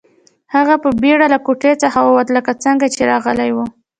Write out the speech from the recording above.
هغه په بیړه له کوټې څخه ووت لکه څنګه چې راغلی و